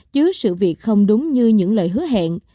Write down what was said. chứ sự việc không đúng như những lời hứa hẹn